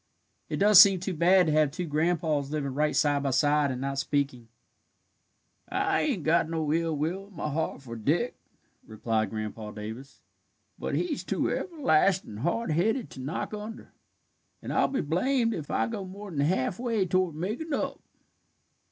"It does seem too bad to have two grandpas living right side by side, and not speaking." "I ain't got no ill will in my heart for Dick," replied Grandpa Davis, "but he is too everlastin' hard headed to knock under, and I'll be blamed if I go more'n halfway toward makin' up."